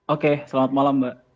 oke selamat malam mbak